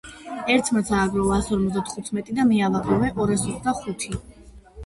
კონცეპტუალიზმის თეორიული ნაშრომების ავტორი.